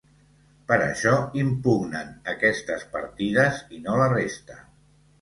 Per això impugnen aquestes partides i no la resta.